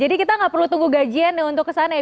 kita nggak perlu tunggu gajian untuk kesana ya